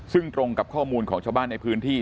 ซึ่งตรงกับข้อมูลของชาวบ้านในพื้นที่